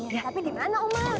tapi dimana umar